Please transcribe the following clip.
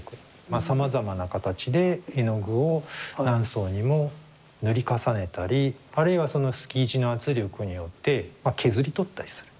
まあさまざまな形で絵の具を何層にも塗り重ねたりあるいはそのスキージの圧力によって削り取ったりする。